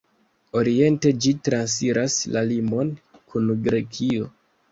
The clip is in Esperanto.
Oriente ĝi transiras la limon kun Grekio.